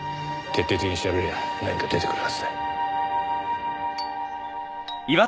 徹底的に調べりゃ何か出てくるはずだ。